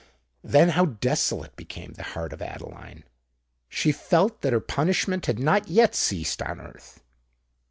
Then how desolate became the heart of Adeline! She felt that her punishment had not yet ceased on earth.